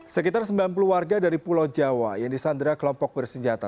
sekitar sembilan puluh warga dari pulau jawa yang disandra kelompok bersenjata